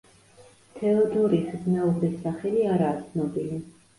თეოდორიხის მეუღლის სახელი არაა ცნობილი.